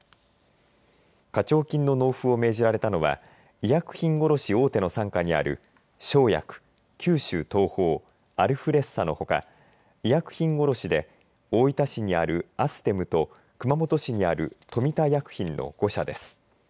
課徴金の納付を命じられたのは医薬品卸大手の傘下にある翔薬、九州東邦、アルフレッサのほか医薬品卸で大分市にあるアステムと熊本市にある富田薬品の５社です。